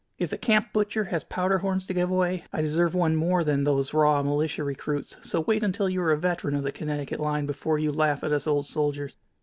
If the camp butcher has powder horns to give away, I deserve one more than those raw militia recruits, so wait until you are a veteran of the Connecticut line before you laugh at us old soldiers."